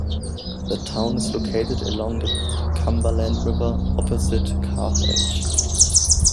The town is located along the Cumberland River opposite Carthage.